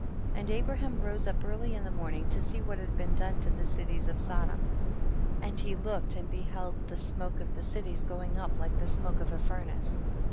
56. And Abraham rose up early in the morning to see what had been done to the cities of Sodom ; and he looked and beheld the smoke of the cities going up like the smoke of a furnace.